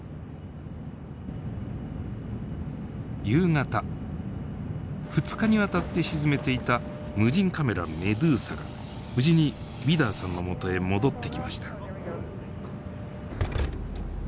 夕方２日にわたって沈めていた無人カメラメドゥーサが無事にウィダーさんのもとへ戻ってきました。